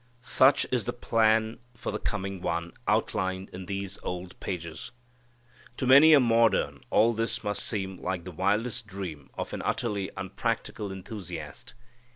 Such is the plan for the coming One outlined in these old pages. To many a modern all this must seem like the wildest dream of an utterly unpractical enthusiast.